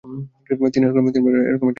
তিনি একরকম জীবিত করতে বাধ্য হন।